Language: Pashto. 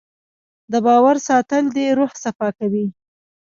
د باور ساتل د روح صفا کوي.